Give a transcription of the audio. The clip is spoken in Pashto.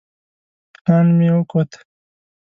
پلان مې وکوت.